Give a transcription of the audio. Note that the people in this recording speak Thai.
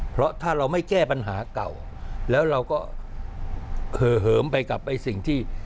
เพราะถ้าเราไม่แก้ปัญหาเก่าแล้วเราก็เหอเหิมไปกับไอ้สิ่งที่